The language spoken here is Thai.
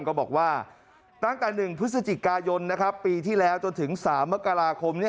ก็บอกว่าตั้งแต่๑พฤศจิกายนปีที่แล้วจนถึง๓มกราคม